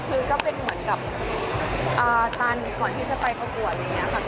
คือก็เป็นเหมือนกับตันก่อนที่จะไปประกวดอย่างนี้ค่ะ